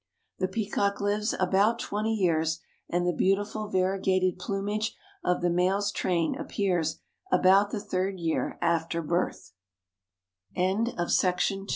The peacock lives about twenty years and the beautiful variegated plumage of the male's train appears about the third year after birth. THE SONG OF THE LARK.